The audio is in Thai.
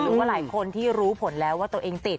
หรือว่าหลายคนที่รู้ผลแล้วว่าตัวเองติด